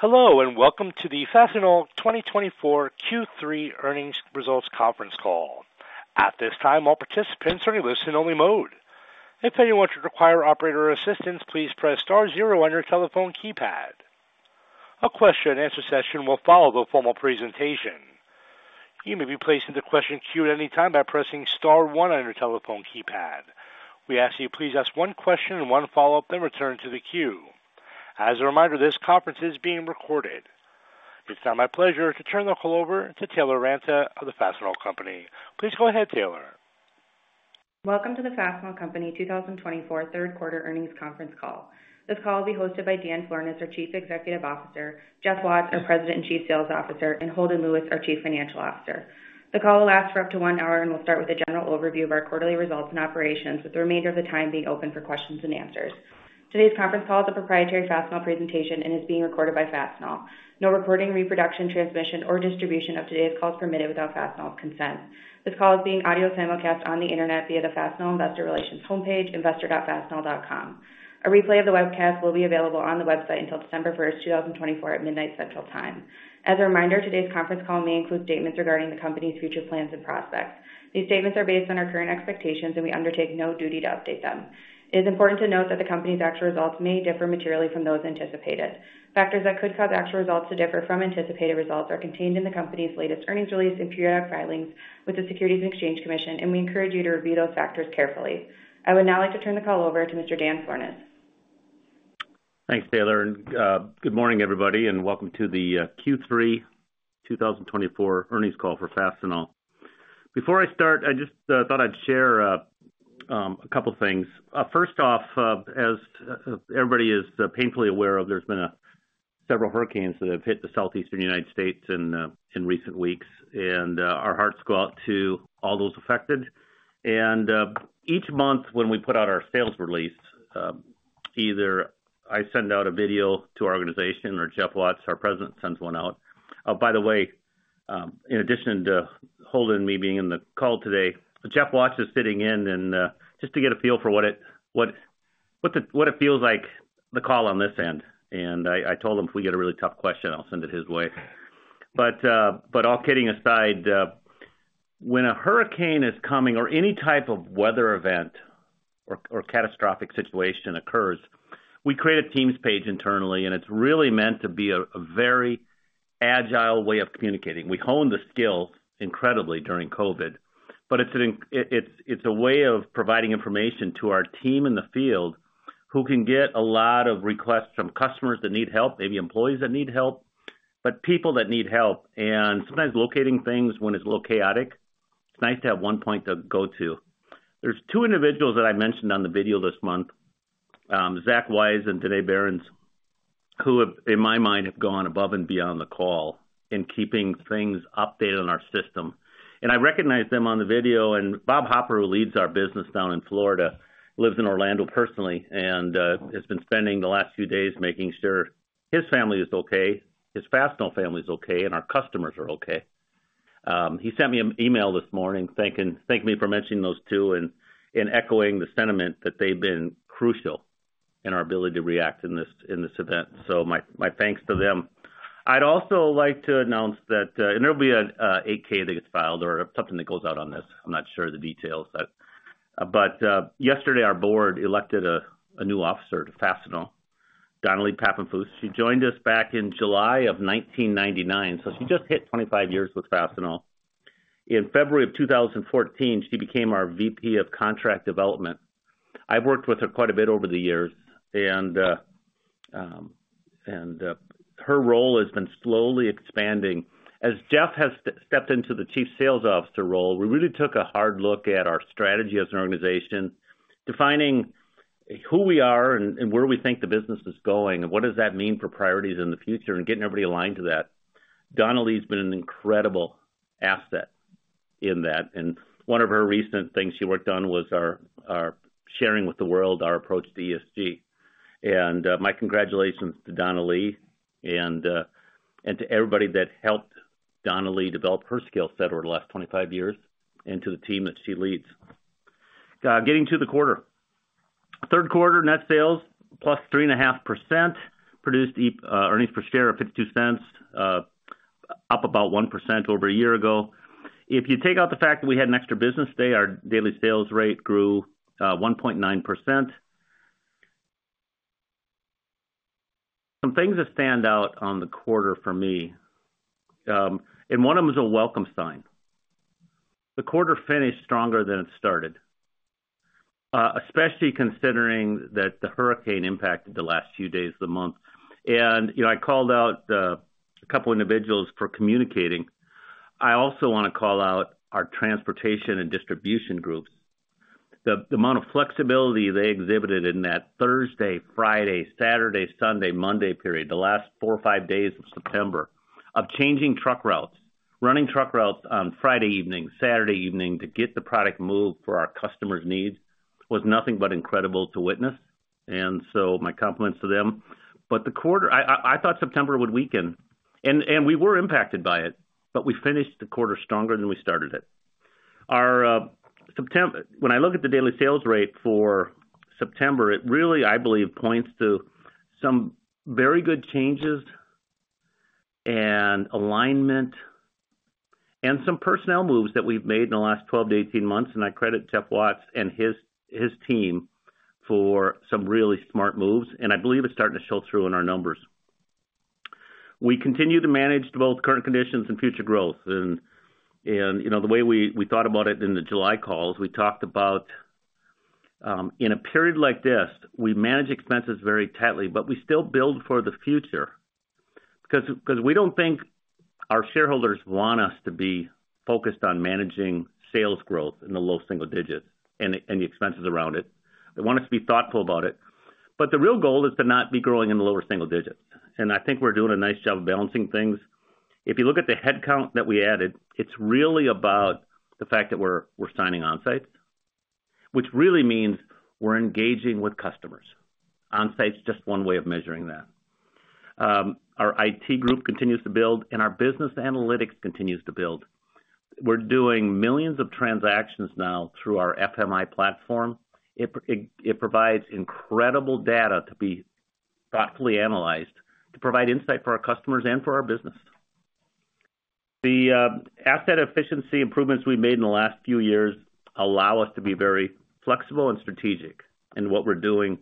Hello, and welcome to the Fastenal 2024 Q3 Earnings Results conference call. At this time, all participants are in listen-only mode. If anyone should require operator assistance, please press star zero on your telephone keypad. A question-and-answer session will follow the formal presentation. You may be placed in the question queue at any time by pressing star one on your telephone keypad. We ask that you please ask one question and one follow-up, then return to the queue. As a reminder, this conference is being recorded. It's now my pleasure to turn the call over to Taylor Ranta of the Fastenal Company. Please go ahead, Taylor. Welcome to the Fastenal Company 2024 third quarter earnings conference call. This call will be hosted by Dan Florness, our Chief Executive Officer, Jeff Watts, our President and Chief Sales Officer, and Holden Lewis, our Chief Financial Officer. The call will last for up to one hour, and we'll start with a general overview of our quarterly results and operations, with the remainder of the time being open for questions and answers. Today's conference call is a proprietary Fastenal presentation and is being recorded by Fastenal. No recording, reproduction, transmission, or distribution of today's call is permitted without Fastenal's consent. This call is being audio simulcast on the internet via the Fastenal Investor Relations homepage, investor.fastenal.com. A replay of the webcast will be available on the website until December 1st, 2024, at midnight Central Time. As a reminder, today's conference call may include statements regarding the company's future plans and prospects. These statements are based on our current expectations, and we undertake no duty to update them. It is important to note that the company's actual results may differ materially from those anticipated. Factors that could cause actual results to differ from anticipated results are contained in the company's latest earnings release and periodic filings with the Securities and Exchange Commission, and we encourage you to review those factors carefully. I would now like to turn the call over to Mr. Dan Florness. Thanks, Taylor, and good morning, everybody, and welcome to the Q3 2024 earnings call for Fastenal. Before I start, I just thought I'd share a couple things. First off, as everybody is painfully aware of, there's been several hurricanes that have hit the southeastern United States in recent weeks, and our hearts go out to all those affected. Each month, when we put out our sales release, either I send out a video to our organization or Jeff Watts, our president, sends one out. Oh, by the way, in addition to Holden and me being in the call today, Jeff Watts is sitting in and just to get a feel for what it feels like, the call on this end. I told him if we get a really tough question, I'll send it his way. But all kidding aside, when a hurricane is coming or any type of weather event or catastrophic situation occurs, we create a Teams page internally, and it's really meant to be a very agile way of communicating. We honed the skill incredibly during COVID, but it's a way of providing information to our team in the field, who can get a lot of requests from customers that need help, maybe employees that need help, but people that need help. And sometimes locating things when it's a little chaotic, it's nice to have one point to go to. There's two individuals that I mentioned on the video this month, Zach Wise and Danae Behrens, who have, in my mind, have gone above and beyond the call in keeping things updated on our system, and I recognize them on the video. And Bob Hopper, who leads our business down in Florida, lives in Orlando personally and has been spending the last few days making sure his family is okay, his Fastenal family is okay, and our customers are okay. He sent me an email this morning thanking me for mentioning those two and echoing the sentiment that they've been crucial in our ability to react in this event. So my thanks to them. I'd also like to announce that and there'll be an 8-K that gets filed or something that goes out on this. I'm not sure of the details, but yesterday, our board elected a new officer to Fastenal, Donnalee Papenfuss. She joined us back in July of 1999, so she just hit 25 years with Fastenal. In February of 2014, she became our VP of Contract Development. I've worked with her quite a bit over the years, and her role has been slowly expanding. As Jeff has stepped into the chief sales officer role, we really took a hard look at our strategy as an organization, defining who we are and where we think the business is going, and what does that mean for priorities in the future and getting everybody aligned to that. Donnalee's been an incredible asset in that, and one of her recent things she worked on was our sharing with the world our approach to ESG. My congratulations to Donnalee and to everybody that helped Donnalee develop her skill set over the last 25 years and to the team that she leads. Getting to the quarter. Third quarter net sales plus 3.5% produced EPS of $0.52, up about 1% over a year ago. If you take out the fact that we had an extra business day, our daily sales rate grew 1.9%. Some things that stand out on the quarter for me, and one of them is a welcome sign. The quarter finished stronger than it started, especially considering that the hurricane impacted the last few days of the month, and you know, I called out a couple individuals for communicating. I also want to call out our transportation and distribution groups. The amount of flexibility they exhibited in that Thursday, Friday, Saturday, Sunday, Monday period, the last four or five days of September, of changing truck routes, running truck routes on Friday evening, Saturday evening, to get the product moved for our customers' needs, was nothing but incredible to witness, and so my compliments to them, but the quarter... I thought September would weaken, and we were impacted by it, but we finished the quarter stronger than we started it.... Our September, when I look at the daily sales rate for September, it really, I believe, points to some very good changes and alignment and some personnel moves that we've made in the last 12 months-18 months, and I credit Jeff Watts and his team for some really smart moves, and I believe it's starting to show through in our numbers. We continue to manage both current conditions and future growth. And you know, the way we thought about it in the July calls, we talked about, in a period like this, we manage expenses very tightly, but we still build for the future. Because we don't think our shareholders want us to be focused on managing sales growth in the low single digits and the expenses around it. They want us to be thoughtful about it. But the real goal is to not be growing in the lower single digits, and I think we're doing a nice job of balancing things. If you look at the headcount that we added, it's really about the fact that we're signing Onsites, which really means we're engaging with customers. Onsites just one way of measuring that. Our IT group continues to build, and our business analytics continues to build. We're doing millions of transactions now through our FMI platform. It provides incredible data to be thoughtfully analyzed, to provide insight for our customers and for our business. The asset efficiency improvements we've made in the last few years allow us to be very flexible and strategic in what we're doing.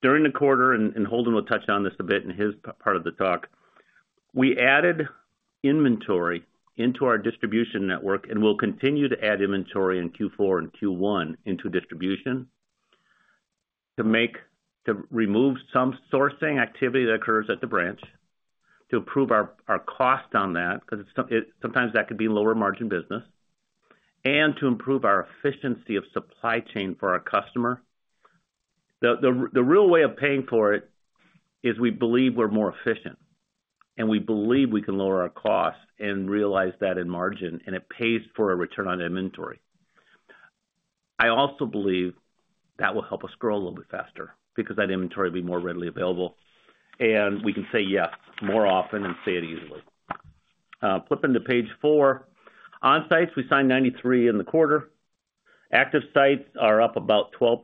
During the quarter, and Holden will touch on this a bit in his part of the talk, we added inventory into our distribution network, and we'll continue to add inventory in Q4 and Q1 into distribution, to remove some sourcing activity that occurs at the branch, to improve our cost on that, because it's sometimes that could be lower margin business, and to improve our efficiency of supply chain for our customer. The real way of paying for it is we believe we're more efficient, and we believe we can lower our costs and realize that in margin, and it pays for a return on inventory. I also believe that will help us grow a little bit faster because that inventory will be more readily available, and we can say yes more often and say it easily. Flipping to page four. Onsites, we signed 93 in the quarter. Active sites are up about 12%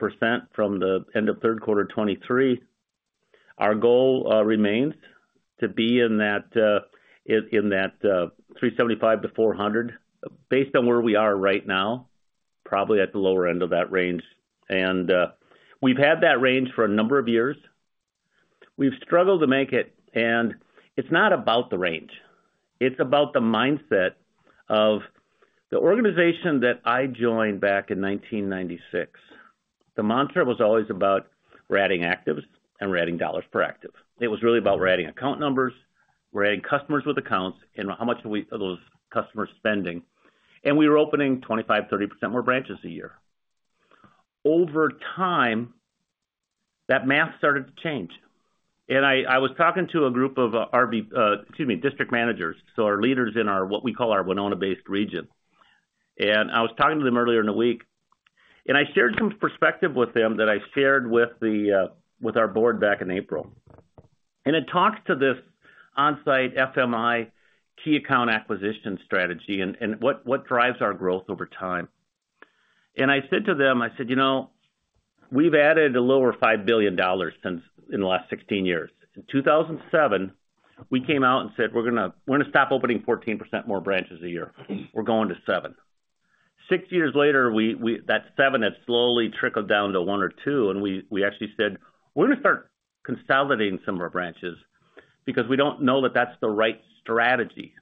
from the end of third quarter 2023. Our goal remains to be in that 375-400. Based on where we are right now, probably at the lower end of that range, and we've had that range for a number of years. We've struggled to make it, and it's not about the range. It's about the mindset of the organization that I joined back in 1996. The mantra was always about we're adding actives and we're adding dollars per active. It was really about we're adding account numbers, we're adding customers with accounts, and how much are those customers spending, and we were opening 25%-30% more branches a year. Over time, that math started to change. I was talking to a group of, excuse me, district managers, so our leaders in our, what we call our Winona-based region. I was talking to them earlier in the week, and I shared some perspective with them that I shared with the, with our board back in April. And it talks to this onsite FMI key account acquisition strategy and what drives our growth over time. And I said to them, I said, "You know, we've added over $5 billion since in the last 16 years." In 2007, we came out and said: We're gonna stop opening 14% more branches a year. We're going to 7%. Six years later, we saw that seven had slowly trickled down to one or two, and we actually said: We're gonna start consolidating some of our branches because we don't know that that's the right strategy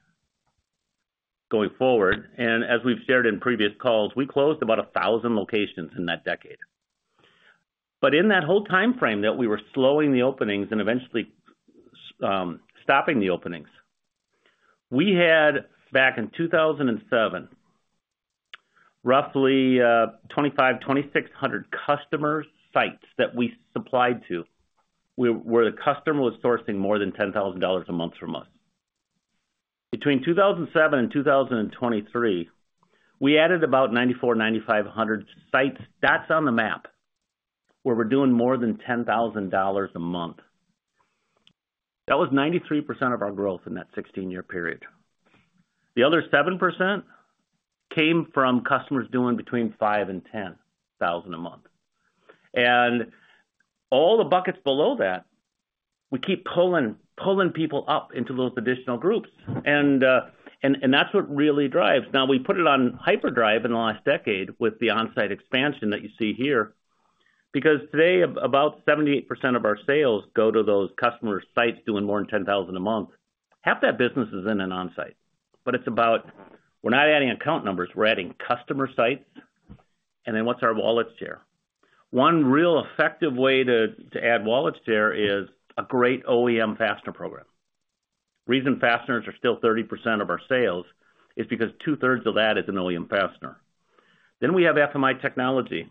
going forward. And as we've shared in previous calls, we closed about 1,000 locations in that decade. But in that whole timeframe that we were slowing the openings and eventually stopping the openings, we had, back in 2007, roughly 2,500-2,600 customer sites that we supplied to, where the customer was sourcing more than $10,000 a month from us. Between 2007 and 2023, we added about 9,400-9,500 sites. That's on the map, where we're doing more than $10,000 a month. That was 93% of our growth in that 16-year period. The other 7% came from customers doing between $5000-$10,000 a month. And all the buckets below that, we keep pulling people up into those additional groups. And that's what really drives. Now, we put it on hyperdrive in the last decade with the Onsite expansion that you see here, because today, about 78% of our sales go to those customer sites doing more than $10,000 a month. Half that business is in an Onsite, but it's about, we're not adding account numbers, we're adding customer sites. And then what's our wallet share? One real effective way to add wallet share is a great OEM fastener program. The reason fasteners are still 30% of our sales is because two-thirds of that is an OEM fastener. Then we have FMI technology.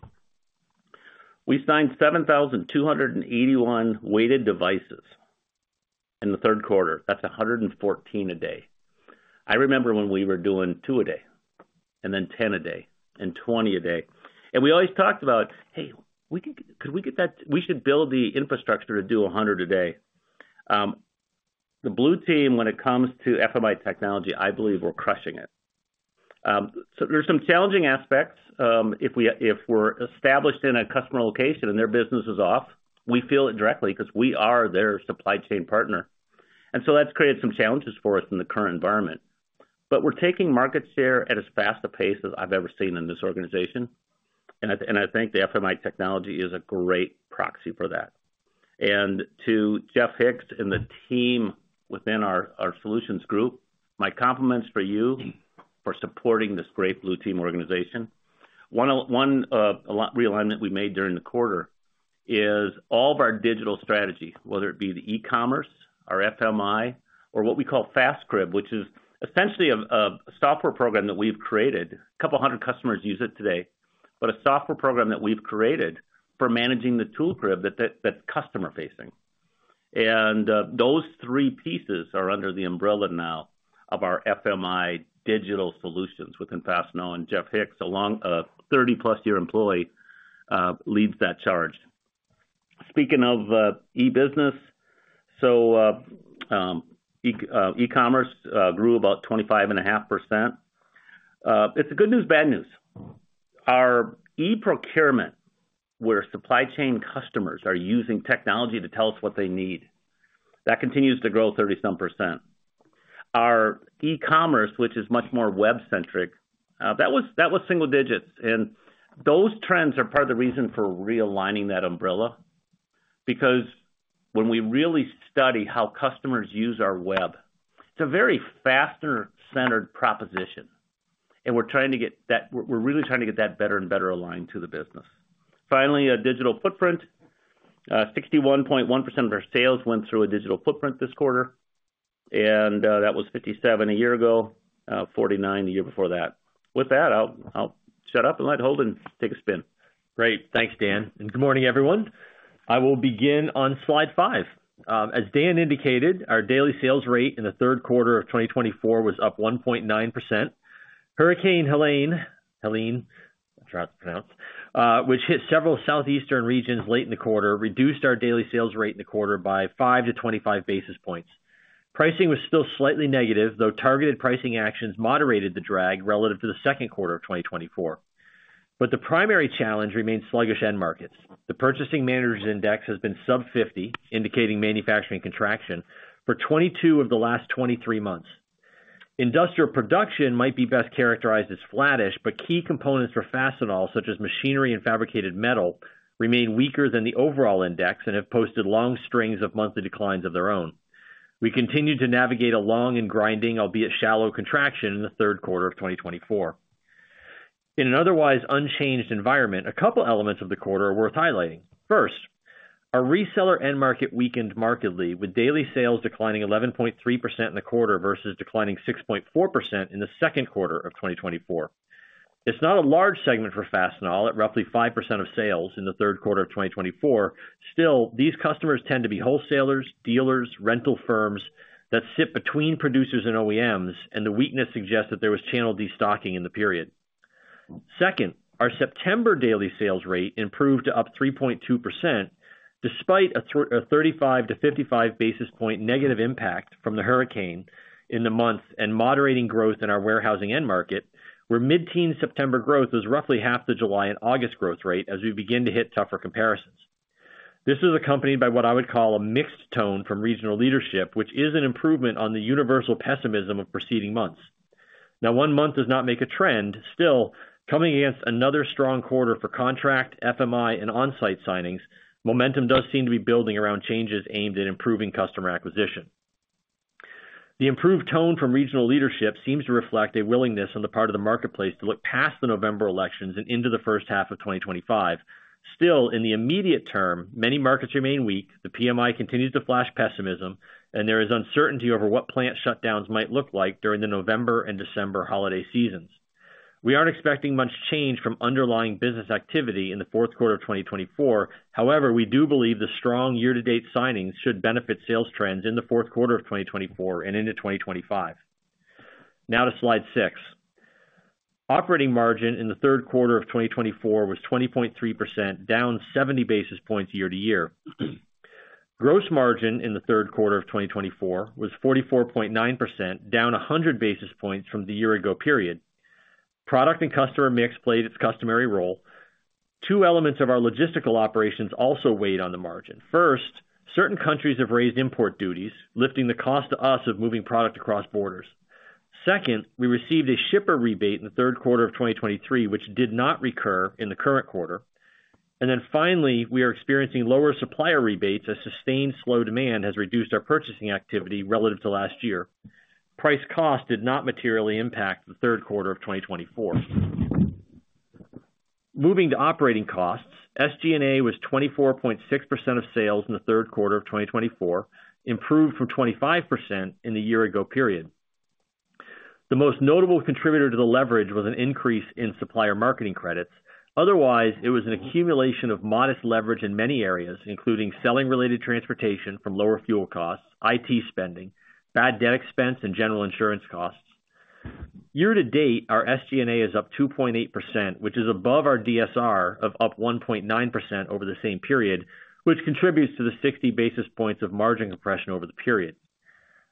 We signed 7,281 weighted devices in the third quarter. That's a 114 a day. I remember when we were doing two a day, and then 10 a day, and 20 a day, and we always talked about, "Hey, we could. We should build the infrastructure to do a 100 a day." The Blue Team, when it comes to FMI technology, I believe we're crushing it. So there's some challenging aspects. If we're established in a customer location and their business is off, we feel it directly because we are their supply chain partner. And so that's created some challenges for us in the current environment. But we're taking market share at as fast a pace as I've ever seen in this organization, and I, and I think the FMI technology is a great proxy for that. And to Jeff Hicks and the team within our solutions group, my compliments for you for supporting this great Blue Team organization. One realignment we made during the quarter is all of our digital strategy, whether it be the e-commerce, our FMI, or what we call FAST Crib, which is essentially a software program that we've created. A couple hundred customers use it today, but a software program that we've created for managing the tool crib that's customer-facing. And those three pieces are under the umbrella now of our FMI Digital Solutions within Fastenal, and Jeff Hicks, a long 30+ year employee, leads that charge. Speaking of e-business, so e-commerce grew about 25.5%. It's a good news, bad news. Our e-procurement, where supply chain customers are using technology to tell us what they need, that continues to grow 30-some%. Our e-commerce, which is much more web-centric, that was single digits, and those trends are part of the reason for realigning that umbrella. Because when we really study how customers use our web, it's a very fastener-centered proposition, and we're trying to get that, we're really trying to get that better and better aligned to the business. Finally, a digital footprint. 61.1% of our sales went through a digital footprint this quarter, and that was 57 a year ago, 49 the year before that. With that, I'll shut up and let Holden take a spin. Great. Thanks, Dan, and good morning, everyone. I will begin on slide five. As Dan indicated, our daily sales rate in the third quarter of 2024 was up 1.9%. Hurricane Helene, which hit several southeastern regions late in the quarter, reduced our daily sales rate in the quarter by five to 25 basis points. Pricing was still slightly negative, though targeted pricing actions moderated the drag relative to the second quarter of 2024. But the primary challenge remains sluggish end markets. The Purchasing Managers' Index has been sub 50, indicating manufacturing contraction for 22 months of the last 23 months. Industrial production might be best characterized as flattish, but key components for Fastenal, such as machinery and fabricated metal, remain weaker than the overall index and have posted long strings of monthly declines of their own. We continued to navigate a long and grinding, albeit shallow, contraction in the third quarter of twenty twenty-four. In an otherwise unchanged environment, a couple elements of the quarter are worth highlighting. First, our reseller end market weakened markedly, with daily sales declining 11.3% in the quarter versus declining 6.4% in the second quarter of twenty twenty-four. It's not a large segment for Fastenal, at roughly 5% of sales in the third quarter of twenty twenty-four. Still, these customers tend to be wholesalers, dealers, rental firms that sit between producers and OEMs, and the weakness suggests that there was channel destocking in the period. Second, our September daily sales rate improved to up 3.2%, despite a 35-55 basis point negative impact from the hurricane in the month, and moderating growth in our warehousing end market, where mid-teen September growth was roughly half the July and August growth rate as we begin to hit tougher comparisons. This is accompanied by what I would call a mixed tone from regional leadership, which is an improvement on the universal pessimism of preceding months. Now, one month does not make a trend. Still, coming against another strong quarter for contract, FMI, and Onsite signings, momentum does seem to be building around changes aimed at improving customer acquisition. The improved tone from regional leadership seems to reflect a willingness on the part of the marketplace to look past the November elections and into the first half of 2025. Still, in the immediate term, many markets remain weak, the PMI continues to flash pessimism, and there is uncertainty over what plant shutdowns might look like during the November and December holiday seasons. We aren't expecting much change from underlying business activity in the fourth quarter of 2024. However, we do believe the strong year-to-date signings should benefit sales trends in the fourth quarter of 2024 and into 2025. Now to slide 6. Operating margin in the third quarter of 2024 was 20.3%, down 70 basis points year-to-year. Gross margin in the third quarter of 2024 was 44.9%, down 100 basis points from the year ago period. Product and customer mix played its customary role. Two elements of our logistical operations also weighed on the margin. First, certain countries have raised import duties, lifting the cost to us of moving product across borders. Second, we received a shipper rebate in the third quarter of 2023, which did not recur in the current quarter. And then finally, we are experiencing lower supplier rebates as sustained slow demand has reduced our purchasing activity relative to last year. Price cost did not materially impact the third quarter of 2024. Moving to operating costs, SG&A was 24.6% of sales in the third quarter of 2024, improved from 25% in the year ago period. The most notable contributor to the leverage was an increase in supplier marketing credits. Otherwise, it was an accumulation of modest leverage in many areas, including selling related transportation from lower fuel costs, IT spending, bad debt expense, and general insurance costs. Year-to-date, our SG&A is up 2.8%, which is above our DSR of up 1.9% over the same period, which contributes to the 60 basis points of margin compression over the period.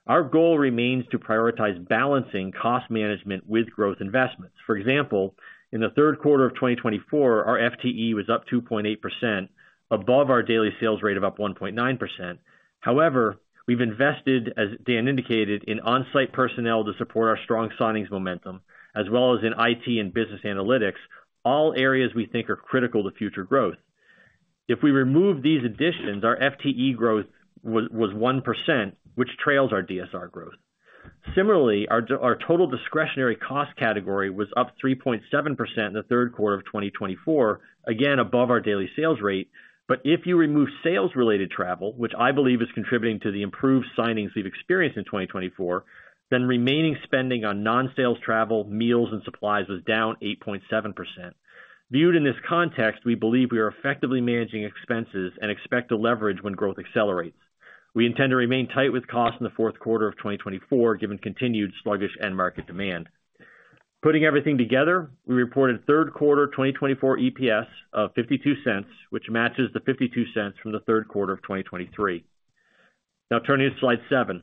Our goal remains to prioritize balancing cost management with growth investments. For example, in the third quarter of 2024, our FTE was up 2.8%, above our daily sales rate of up 1.9%. However, we've invested, as Dan indicated, in Onsite personnel to support our strong signings momentum, as well as in IT and business analytics, all areas we think are critical to future growth. If we remove these additions, our FTE growth was one percent, which trails our DSR growth. Similarly, our total discretionary cost category was up 3.7% in the third quarter of 2024, again, above our daily sales rate. But if you remove sales-related travel, which I believe is contributing to the improved signings we've experienced in 2024, then remaining spending on non-sales, travel, meals, and supplies was down 8.7%. Viewed in this context, we believe we are effectively managing expenses and expect to leverage when growth accelerates. We intend to remain tight with costs in the fourth quarter of 2024, given continued sluggish end market demand. Putting everything together, we reported third quarter 2024 EPS of $0.52, which matches the $0.52 from the third quarter of 2023. Now turning to Slide 7.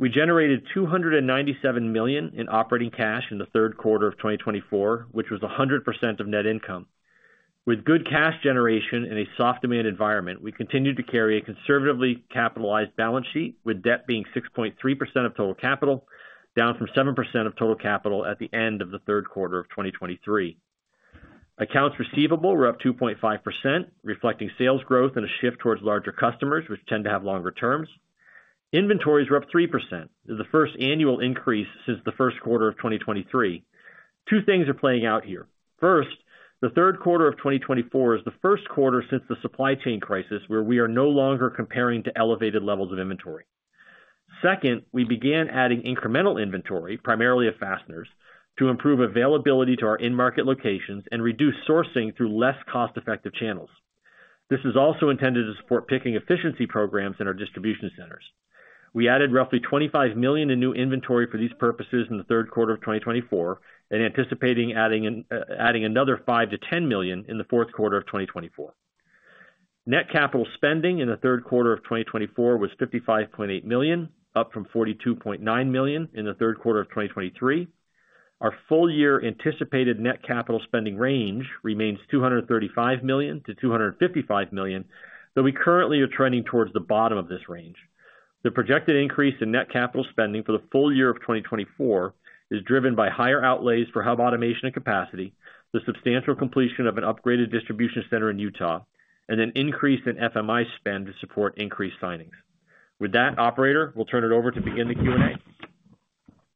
We generated $297 million in operating cash in the third quarter of 2024, which was 100% of net income. With good cash generation in a soft demand environment, we continued to carry a conservatively capitalized balance sheet, with debt being 6.3% of total capital, down from 7% of total capital at the end of the third quarter of 2023. Accounts receivable were up 2.5%, reflecting sales growth and a shift towards larger customers, which tend to have longer terms. Inventories were up 3%, the first annual increase since the first quarter of 2023. Two things are playing out here. First, the third quarter of 2024 is the first quarter since the supply chain crisis, where we are no longer comparing to elevated levels of inventory. Second, we began adding incremental inventory, primarily of fasteners, to improve availability to our in-market locations and reduce sourcing through less cost-effective channels. This is also intended to support picking efficiency programs in our distribution centers. We added roughly $25 million in new inventory for these purposes in the third quarter of 2024, and anticipating adding another $5 million-$10 million in the fourth quarter of 2024. Net capital spending in the third quarter of 2024 was $55.8 million, up from $42.9 million in the third quarter of 2023. Our full year anticipated net capital spending range remains $235 million-$255 million, though we currently are trending towards the bottom of this range. The projected increase in net capital spending for the full year of 2024 is driven by higher outlays for hub automation and capacity, the substantial completion of an upgraded distribution center in Utah, and an increase in FMI spend to support increased signings. With that, operator, we'll turn it over to begin the Q&A.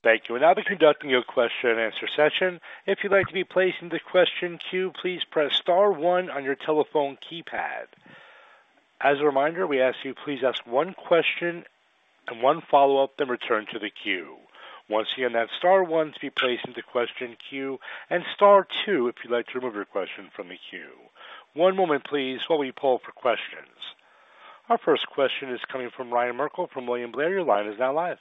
Thank you. We'll now be conducting your question and answer session. If you'd like to be placed in the question queue, please press star one on your telephone keypad. As a reminder, we ask you, please ask one question and one follow-up, then return to the queue. Once again, that's star one to be placed into question queue, and star two if you'd like to remove your question from the queue. One moment, please, while we poll for questions. Our first question is coming from Ryan Merkel from William Blair. Your line is now live.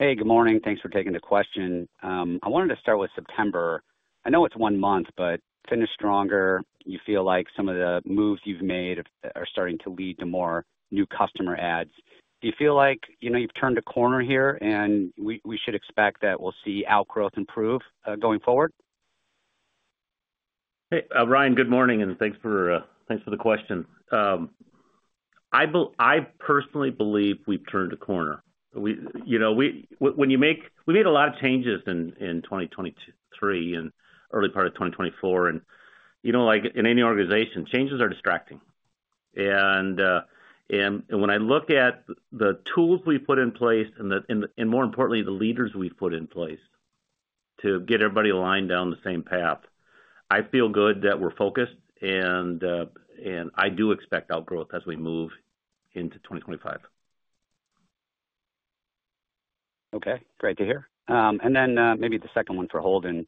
Hey, good morning. Thanks for taking the question. I wanted to start with September. I know it's one month, but finished stronger. You feel like some of the moves you've made are starting to lead to more new customer adds. Do you feel like, you know, you've turned a corner here and we should expect that we'll see outgrowth improve, going forward? Hey, Ryan, good morning, and thanks for the question. I personally believe we've turned a corner. We, you know, when you make. We made a lot of changes in 2023 and early part of 2024, and, you know, like in any organization, changes are distracting. And, when I look at the tools we've put in place and, more importantly, the leaders we've put in place to get everybody aligned down the same path, I feel good that we're focused and I do expect outgrowth as we move into 2025. Okay. Great to hear. And then, maybe the second one for Holden.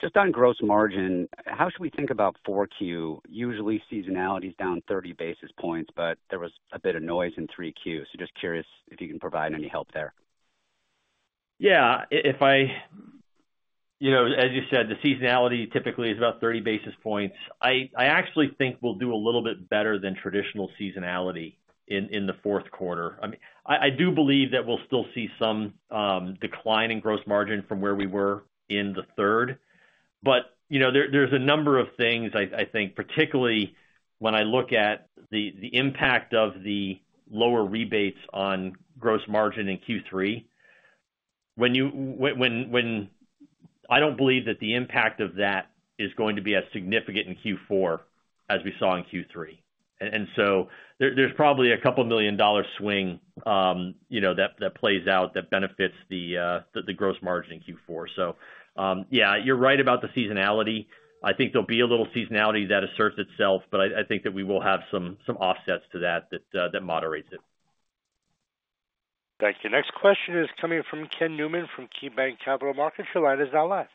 Just on gross margin, how should we think about four Q? Usually, seasonality is down 30 basis points, but there was a bit of noise in three Q. So just curious if you can provide any help there. Yeah, if I... You know, as you said, the seasonality typically is about 30 basis points. I actually think we'll do a little bit better than traditional seasonality in the fourth quarter. I mean, I do believe that we'll still see some decline in gross margin from where we were in the third. But, you know, there's a number of things I think, particularly when I look at the impact of the lower rebates on gross margin in Q3. I don't believe that the impact of that is going to be as significant in Q4 as we saw in Q3. And so there's probably a couple million dollar swing, you know, that plays out, that benefits the gross margin in Q4. So, yeah, you're right about the seasonality. I think there'll be a little seasonality that asserts itself, but I think that we will have some offsets to that that moderates it. Thank you. Next question is coming from Ken Newman from KeyBanc Capital Markets. Your line is now live.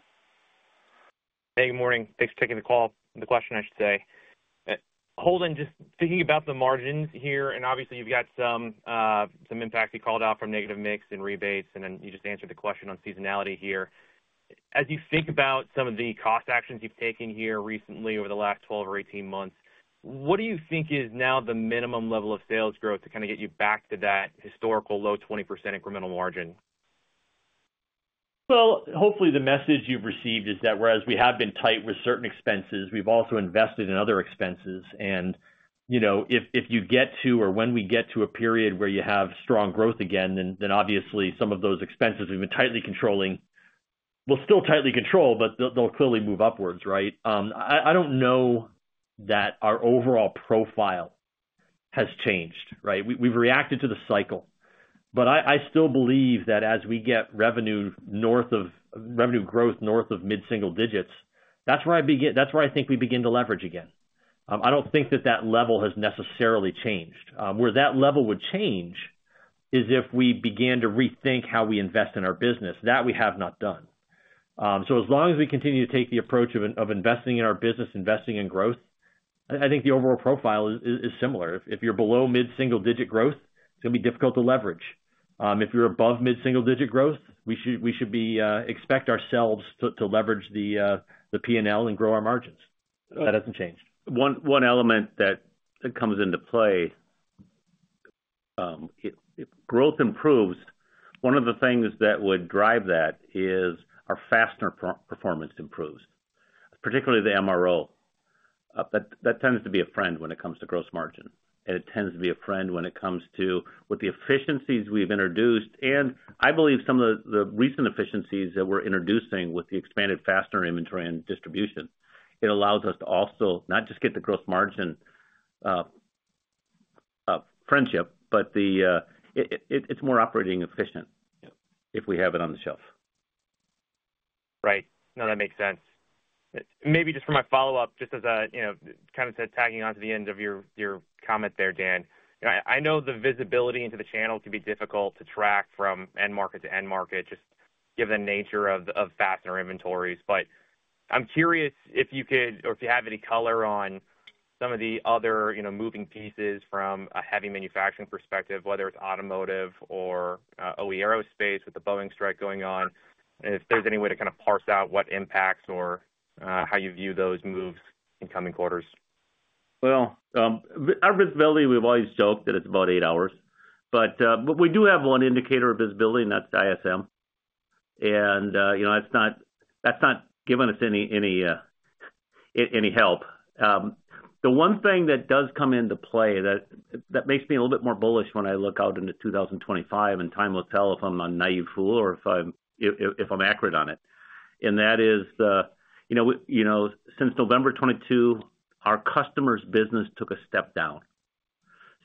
Hey, good morning. Thanks for taking the call. The question, I should say. Holden, just thinking about the margins here, and obviously you've got some impact you called out from negative mix and rebates, and then you just answered the question on seasonality here. As you think about some of the cost actions you've taken here recently, over the last 12 months or 18 months, what do you think is now the minimum level of sales growth to kind of get you back to that historical low 20% incremental margin? Hopefully, the message you've received is that whereas we have been tight with certain expenses, we've also invested in other expenses. You know, if you get to, or when we get to a period where you have strong growth again, then obviously some of those expenses we've been tightly controlling, we'll still tightly control, but they'll clearly move upwards, right? I don't know that our overall profile has changed, right? We've reacted to the cycle, but I still believe that as we get revenue growth north of mid-single digits, that's where I think we begin to leverage again. I don't think that that level has necessarily changed. Where that level would change is if we began to rethink how we invest in our business. That we have not done. So as long as we continue to take the approach of investing in our business, investing in growth, I think the overall profile is similar. If you're below mid-single digit growth, it's gonna be difficult to leverage. If you're above mid-single digit growth, we should expect ourselves to leverage the P&L and grow our margins. That hasn't changed. One element that comes into play, if growth improves, one of the things that would drive that is our fastener performance improves, particularly the MRO. That tends to be a friend when it comes to gross margin, and it tends to be a friend when it comes to... with the efficiencies we've introduced, and I believe some of the recent efficiencies that we're introducing with the expanded fastener inventory and distribution, it allows us to also not just get the gross margin improvement, but it's more operating efficient- Yeah. if we have it on the shelf. Right. No, that makes sense. Maybe just for my follow-up, just as a, you know, kind of said, tagging onto the end of your comment there, Dan. I know the visibility into the channel can be difficult to track from end market to end market, just given the nature of fastener inventories. But I'm curious if you could or if you have any color on some of the other, you know, moving pieces from a heavy manufacturing perspective, whether it's automotive or, OE aerospace, with the Boeing strike going on, and if there's any way to kind of parse out what impacts or how you view those moves in coming quarters. Our visibility, we've always joked that it's about eight hours. But we do have one indicator of visibility, and that's ISM. And you know, that's not giving us any help. The one thing that does come into play that makes me a little bit more bullish when I look out into 2025, and time will tell if I'm a naive fool or if I'm accurate on it, and that is you know, since November 2022, our customer's business took a step down.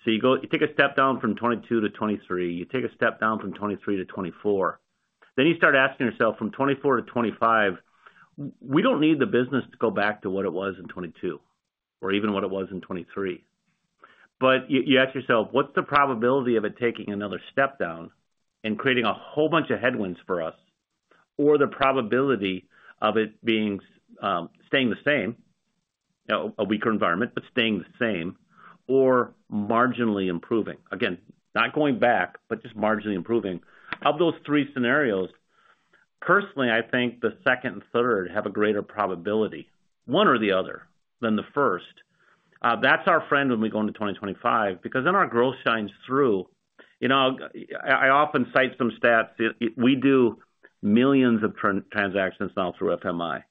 So you go you take a step down from 2022-2023, you take a step down from 2023-2024, then you start asking yourself, from 2024-2025, we don't need the business to go back to what it was in 2022, or even what it was in 2023. But you ask yourself, what's the probability of it taking another step down and creating a whole bunch of headwinds for us? Or the probability of it being, staying the same, a weaker environment, but staying the same, or marginally improving? Again, not going back, but just marginally improving. Of those three scenarios, personally, I think the second and third have a greater probability, one or the other, than the first. That's our friend when we go into 2025, because then our growth shines through. You know, I often cite some stats. We do millions of transactions now through FMI.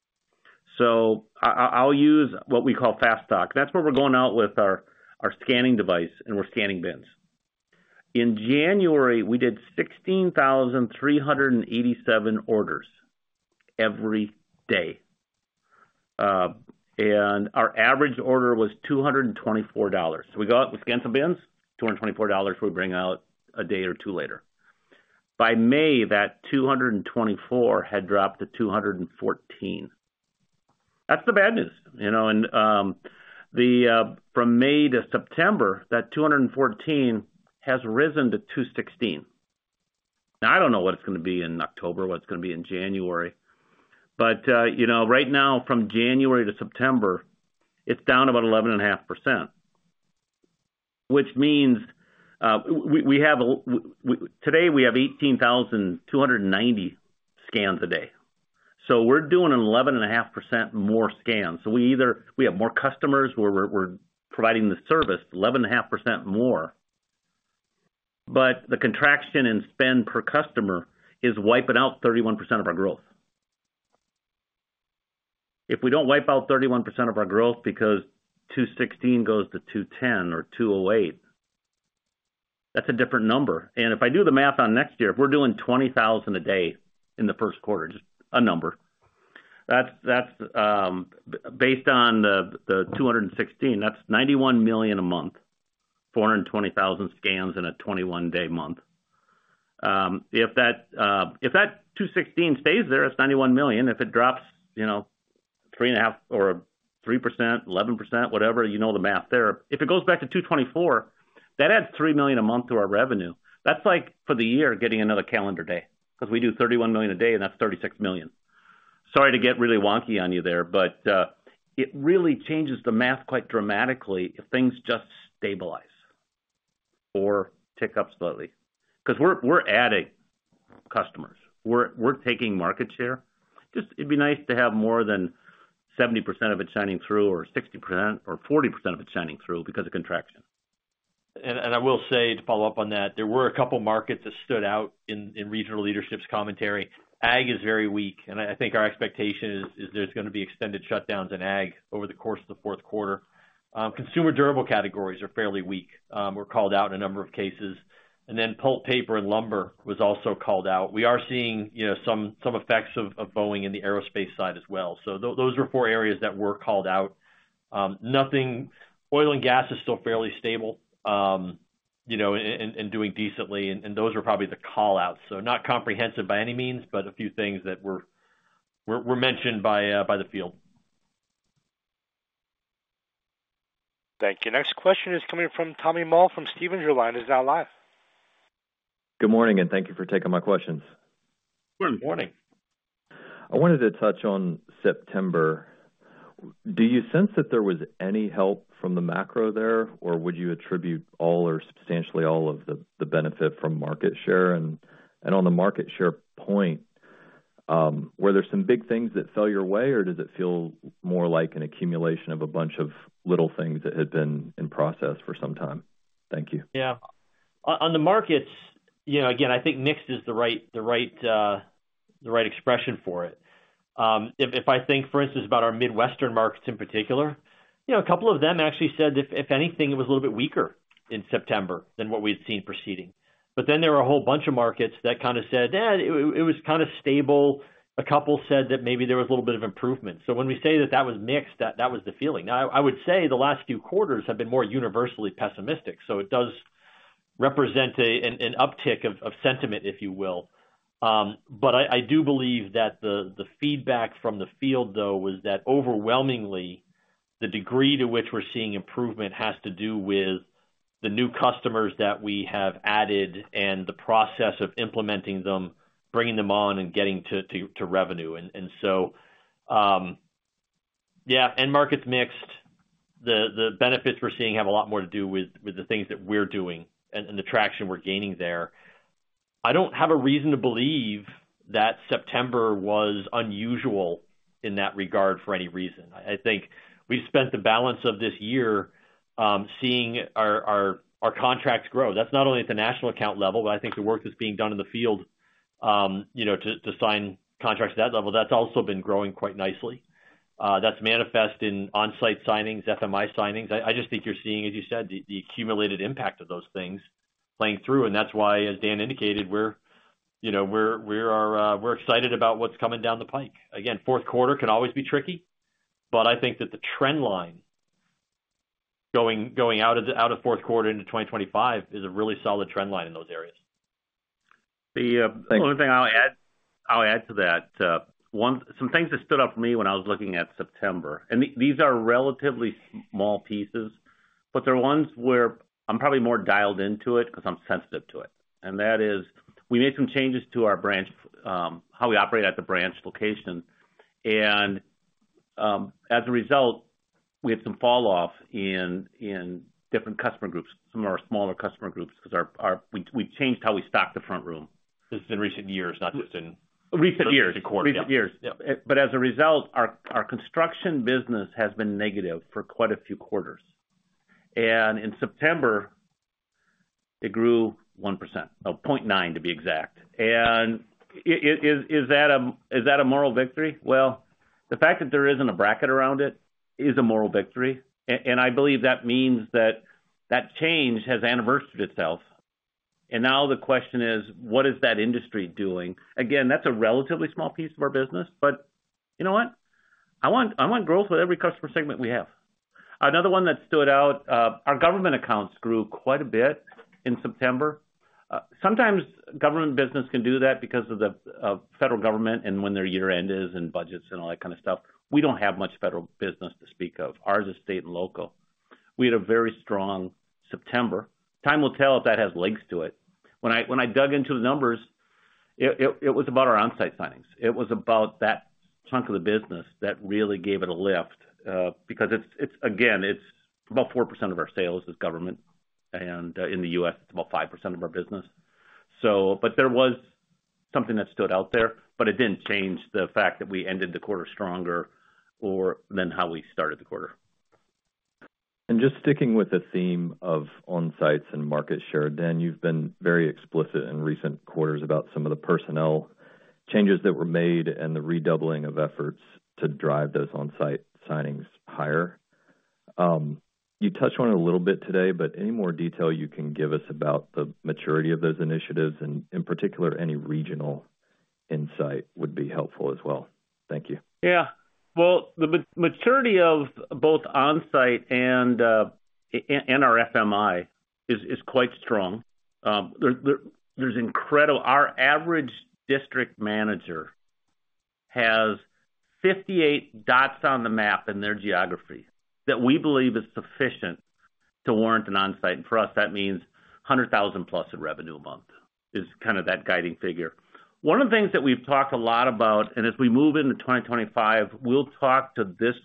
So I'll use what we call FAST Stock. That's where we're going out with our scanning device, and we're scanning bins. In January, we did 16,387 orders every day, and our average order was $224. So we go out, we scan some bins, $224, we bring out a day or two later. By May, that $224 had dropped to $214. That's the bad news, you know, and from May to September, that $214 has risen to $216. Now, I don't know what it's gonna be in October, what it's gonna be in January, but, you know, right now, from January to September, it's down about 11.5%, which means, we have today 18,290 scans a day, so we're doing 11.5% more scans. So we either have more customers, we're providing the service 11.5% more, but the contraction in spend per customer is wiping out 31% of our growth. If we don't wipe out 31% of our growth because 2.16% goes to 2.10% or 2.08%, that's a different number. If I do the math on next year, if we're doing 20,000 a day in the first quarter, just a number, that's based on the 216, that's $91 million a month, 420,000 scans in a 21-day month. If that 216 stays there, it's $91 million. If it drops, you know, 3.5 or 3%, 11%, whatever, you know the math there. If it goes back to 224, that adds $3 million a month to our revenue. That's like, for the year, getting another calendar day, because we do $31 million a day, and that's $36 million. Sorry to get really wonky on you there, but it really changes the math quite dramatically if things just stabilize or tick up slowly. Because we're adding customers, we're taking market share. Just it'd be nice to have more than 70% of it shining through, or 60%, or 40% of it shining through because of contraction. I will say, to follow up on that, there were a couple of markets that stood out in regional leadership's commentary. Ag is very weak, and I think our expectation is there's gonna be extended shutdowns in ag over the course of the fourth quarter. Consumer durable categories are fairly weak, were called out in a number of cases, and then pulp, paper, and lumber was also called out. We are seeing, you know, some effects of Boeing in the aerospace side as well. So those are four areas that were called out. Nothing. Oil and gas is still fairly stable, you know, and doing decently, and those are probably the call-outs. So not comprehensive by any means, but a few things that were mentioned by the field. Thank you. Next question is coming from Tommy Moll from Stephens. Your line is now live. Good morning, and thank you for taking my questions. Good morning. I wanted to touch on September. Do you sense that there was any help from the macro there, or would you attribute all or substantially all of the benefit from market share? And on the market share point, were there some big things that fell your way, or does it feel more like an accumulation of a bunch of little things that had been in process for some time? Thank you. Yeah. On the markets, you know, again, I think mixed is the right expression for it. If I think, for instance, about our Midwestern markets in particular, you know, a couple of them actually said if anything, it was a little bit weaker in September than what we'd seen preceding. But then there were a whole bunch of markets that kind of said, "Eh, it was kind of stable." A couple said that maybe there was a little bit of improvement. So when we say that was mixed, that was the feeling. Now, I would say the last few quarters have been more universally pessimistic, so it does represent an uptick of sentiment, if you will. But I do believe that the feedback from the field, though, was that overwhelmingly, the degree to which we're seeing improvement has to do with the new customers that we have added and the process of implementing them, bringing them on, and getting to revenue. End market's mixed. The benefits we're seeing have a lot more to do with the things that we're doing and the traction we're gaining there. I don't have a reason to believe that September was unusual in that regard for any reason. I think we've spent the balance of this year, seeing our contracts grow. That's not only at the national account level, but I think the work that's being done in the field, you know, to sign contracts at that level, that's also been growing quite nicely. That's manifest in Onsite signings, FMI signings. I just think you're seeing, as you said, the accumulated impact of those things playing through, and that's why, as Dan indicated, we're, you know, we're excited about what's coming down the pike. Again, fourth quarter can always be tricky, but I think that the trend line going out of fourth quarter into 2025 is a really solid trend line in those areas. The, uh- Thanks. The only thing I'll add to that, one. Some things that stood out for me when I was looking at September, and these are relatively small pieces, but they're ones where I'm probably more dialed into it because I'm sensitive to it, and that is, we made some changes to our branch how we operate at the branch location, and as a result, we had some falloff in different customer groups, some of our smaller customer groups, because we changed how we stock the front room. This is in recent years, not just in- Recent years. The quarter. Recent years. Yeah. But as a result, our construction business has been negative for quite a few quarters, and in September, it grew 0.9%, to be exact. And is that a moral victory? Well, the fact that there isn't a bracket around it is a moral victory. And I believe that means that that change has anniversaried itself, and now the question is: What is that industry doing? Again, that's a relatively small piece of our business, but you know what? I want growth with every customer segment we have. Another one that stood out, our government accounts grew quite a bit in September. Sometimes government business can do that because of the federal government and when their year end is, and budgets, and all that kind of stuff. We don't have much federal business to speak of. Ours is state and local. We had a very strong September. Time will tell if that has legs to it. When I dug into the numbers, it was about our Onsite signings. It was about that chunk of the business that really gave it a lift, because it's. Again, it's about 4% of our sales is government, and in the U.S., it's about 5% of our business. So, but there was something that stood out there, but it didn't change the fact that we ended the quarter stronger or than how we started the quarter. And just sticking with the theme of Onsites and market share, Dan, you've been very explicit in recent quarters about some of the personnel changes that were made and the redoubling of efforts to drive those Onsite signings higher. You touched on it a little bit today, but any more detail you can give us about the maturity of those initiatives, and in particular, any regional insight would be helpful as well. Thank you. Yeah. Well, the maturity of both Onsite and our FMI is quite strong. There's incredible. Our average district manager has 58 dots on the map in their geography that we believe is sufficient to warrant an Onsite. And for us, that means $100,000 plus in revenue a month, is kind of that guiding figure. One of the things that we've talked a lot about, and as we move into 2025, we'll talk to this,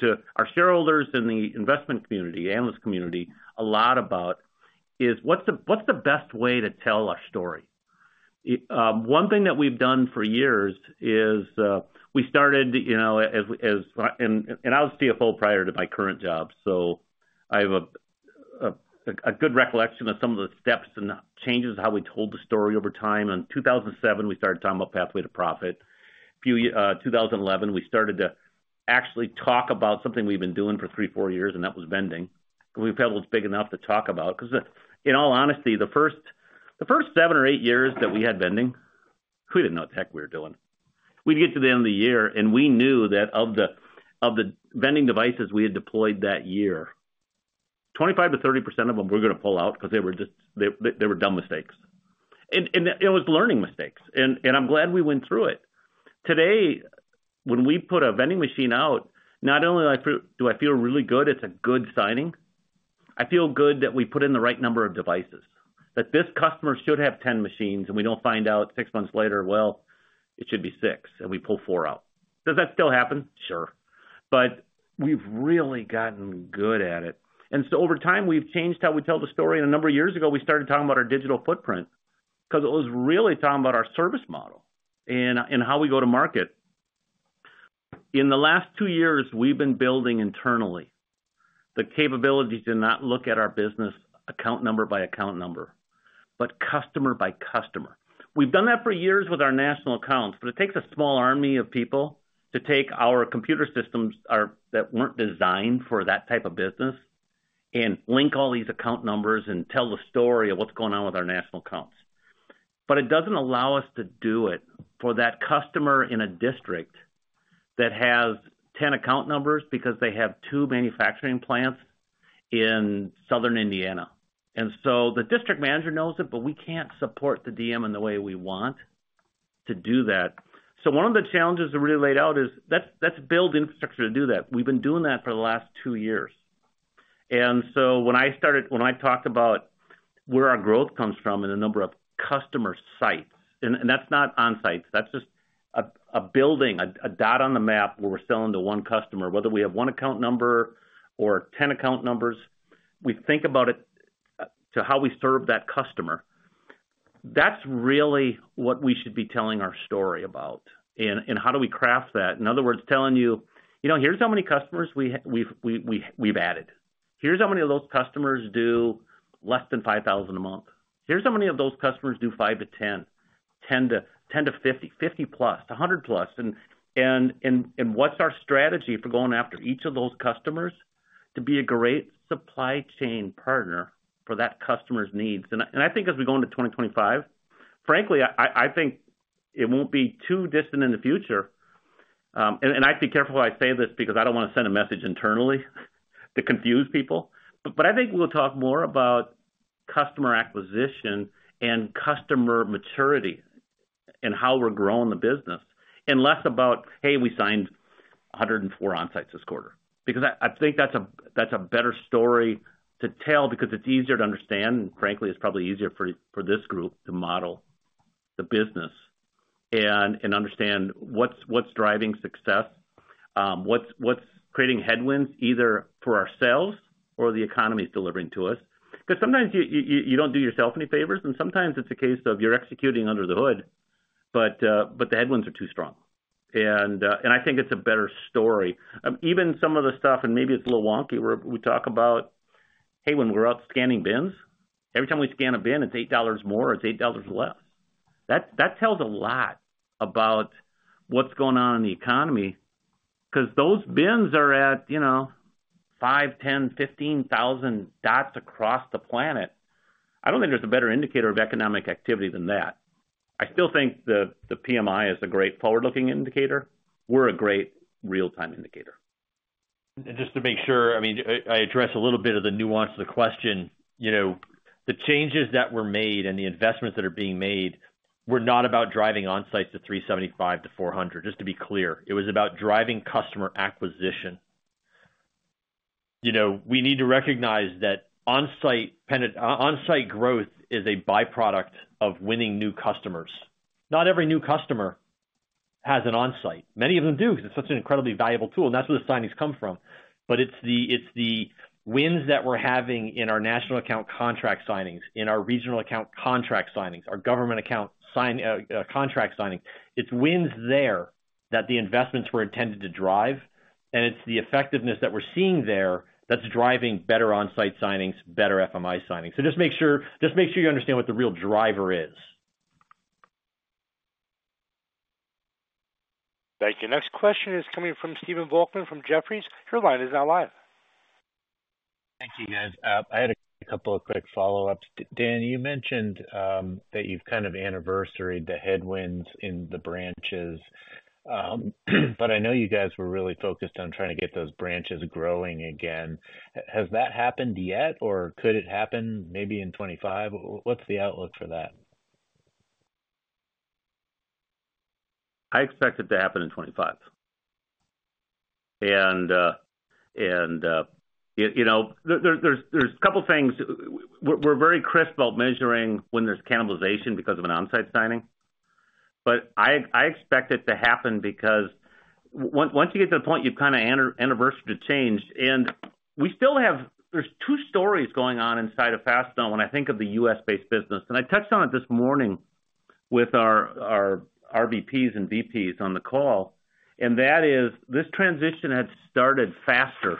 to our shareholders in the investment community, analyst community, a lot about, is what's the, what's the best way to tell our story? One thing that we've done for years is, we started, you know, I was CFO prior to my current job, so I have a good recollection of some of the steps and changes, how we told the story over time. In 2007, we started talking about Pathway to Profit. 2011, we started to actually talk about something we've been doing for three, four years, and that was vending. We've had what's big enough to talk about, 'cause in all honesty, the first seven or eight years that we had vending, we didn't know what the heck we were doing. We'd get to the end of the year, and we knew that of the vending devices we had deployed that year, 25%-30% of them were gonna pull out because they were just they were dumb mistakes. And it was learning mistakes, and I'm glad we went through it. Today, when we put a vending machine out, not only do I feel really good, it's a good signing, I feel good that we put in the right number of devices. That this customer should have 10 machines, and we don't find out six months later. Well, it should be six, and we pull four out. Does that still happen? Sure. But we've really gotten good at it. And so over time, we've changed how we tell the story. And a number of years ago, we started talking about our digital footprint because it was really talking about our service model and, and how we go to market. In the last two years, we've been building internally the capability to not look at our business account number by account number, but customer by customer. We've done that for years with our National Accounts, but it takes a small army of people to take our computer systems that weren't designed for that type of business and link all these account numbers and tell the story of what's going on with our National Accounts. But it doesn't allow us to do it for that customer in a district that has 10 account numbers because they have two manufacturing plants in Southern Indiana. And so the district manager knows it, but we can't support the DM in the way we want to do that. So one of the challenges that we laid out is, let's, let's build infrastructure to do that. We've been doing that for the last two years. And so when I talked about where our growth comes from in the number of customer sites, and that's not Onsites, that's just a building, a dot on the map where we're selling to one customer, whether we have one account number or 10 account numbers, we think about it to how we serve that customer. That's really what we should be telling our story about, and how do we craft that? In other words, telling you, "You know, here's how many customers we've added. Here's how many of those customers do less than $5,000 a month. Here's how many of those customers do five to 10, 10-50, 50+, 100+." And what's our strategy for going after each of those customers to be a great supply chain partner for that customer's needs? And I think as we go into 2025, frankly, I think it won't be too distant in the future. And I have to be careful how I say this, because I don't want to send a message internally to confuse people. But I think we'll talk more about customer acquisition and customer maturity and how we're growing the business, and less about, "Hey, we signed 104 Onsites this quarter." Because I think that's a better story to tell because it's easier to understand. Frankly, it's probably easier for this group to model the business and understand what's driving success, what's creating headwinds, either for ourselves or the economy is delivering to us. Because sometimes you don't do yourself any favors, and sometimes it's a case of you're executing under the hood, but the headwinds are too strong. I think it's a better story. Even some of the stuff, and maybe it's a little wonky, where we talk about, hey, when we're out scanning bins, every time we scan a bin, it's $8 more, or it's $8 less. That tells a lot about what's going on in the economy, 'cause those bins are at, you know, 5000, 10,000, 15,000 dots across the planet. I don't think there's a better indicator of economic activity than that. I still think the PMI is a great forward-looking indicator. We're a great real-time indicator. Just to make sure, I mean, I address a little bit of the nuance of the question. You know, the changes that were made and the investments that are being made were not about driving Onsites to 375-400, just to be clear. It was about driving customer acquisition. You know, we need to recognize that Onsite growth is a byproduct of winning new customers. Not every new customer has an Onsite. Many of them do, because it's such an incredibly valuable tool, and that's where the signings come from. But it's the wins that we're having in our national account contract signings, in our regional account contract signings, our government account contract signings. It's wins there that the investments were intended to drive, and it's the effectiveness that we're seeing there that's driving better Onsite signings, better FMI signings. So just make sure, just make sure you understand what the real driver is. Thank you. Next question is coming from Stephen Volkmann from Jefferies. Your line is now live. Thank you, guys. I had a couple of quick follow-ups. Dan, you mentioned that you've kind of anniversaries the headwinds in the branches. But I know you guys were really focused on trying to get those branches growing again. Has that happened yet, or could it happen maybe in 2025? What's the outlook for that? I expect it to happen in 2025. You know, there's a couple things. We're very crisp about measuring when there's cannibalization because of an Onsite signing, but I expect it to happen because once you get to the point, you've kind of anniversaries the change, and we still have. There's two stories going on inside of Fastenal when I think of the U.S.-based business. I touched on it this morning with our RVPs and VPs on the call, and that is, this transition had started faster.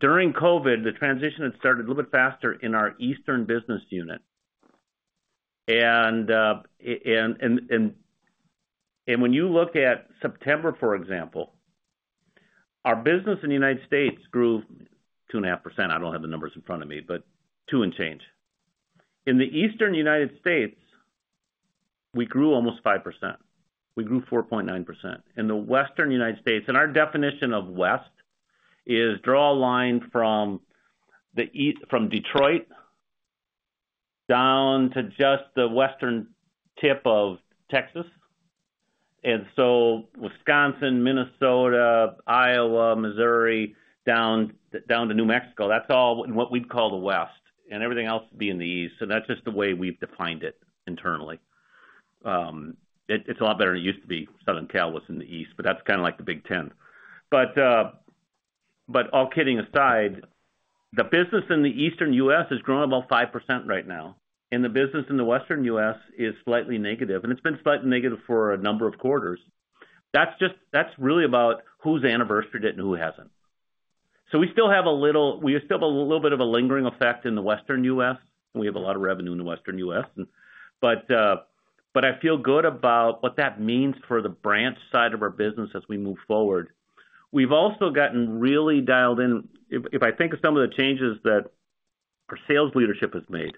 During COVID, the transition had started a little bit faster in our eastern business unit. When you look at September, for example, our business in the United States grew 2.5%. I don't have the numbers in front of me, but two and change. In the eastern United States, we grew almost 5%. We grew 4.9%. In the western United States, and our definition of west is draw a line from Detroit down to just the western tip of Texas. And so Wisconsin, Minnesota, Iowa, Missouri, down to New Mexico, that's all what we'd call the West, and everything else would be in the East. So that's just the way we've defined it internally. It's a lot better than it used to be. Southern Cal was in the East, but that's kind of like the Big Ten. But all kidding aside, the business in the Eastern U.S. has grown about 5% right now, and the business in the Western U.S. is slightly negative, and it's been slightly negative for a number of quarters. That's just. That's really about who's anniversaried it and who hasn't. So we still have a little, we still have a little bit of a lingering effect in the Western U.S., and we have a lot of revenue in the Western U.S. But I feel good about what that means for the branch side of our business as we move forward. We've also gotten really dialed in. If I think of some of the changes that our sales leadership has made,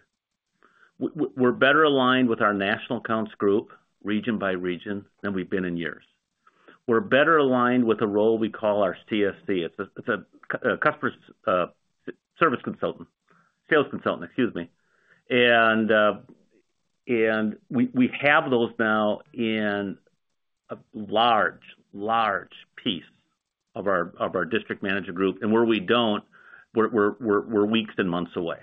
we're better aligned with our National Accounts group, region by region, than we've been in years. We're better aligned with the role we call our CSC. It's a customer's service consultant, sales consultant, excuse me. And we have those now in a large piece of our district manager group, and where we don't, we're weeks and months away.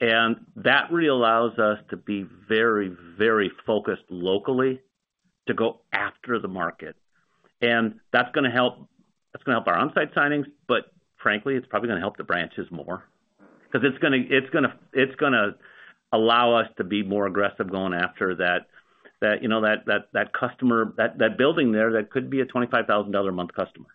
And that really allows us to be very focused locally to go after the market. And that's gonna help our Onsite signings, but frankly, it's probably gonna help the branches more. Because it's gonna allow us to be more aggressive going after that, you know, that customer, that building there, that could be a $25,000 a month customer.